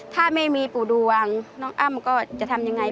ถ้าไม่มีปู่ดวงน้องอ้ำก็จะทำยังไง